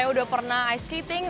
saya sudah pernah ice skating